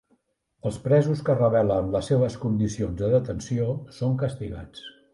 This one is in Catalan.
Els presos que revelen les seves condicions de detenció són castigats.